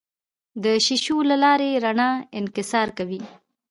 د شیشو له لارې رڼا انکسار کوي.